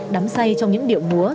đắm say trong những điệu mùa